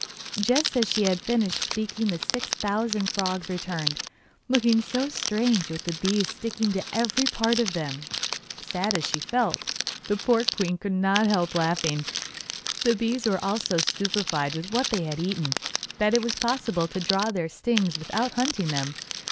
Just as she had finished speaking the six thousand frogs returned, looking so strange with bees sticking to every part of them that, sad as she felt, the poor queen could not help laughing. The bees were all so stupefied with what they had eaten that it was possible to draw their stings without hunting them.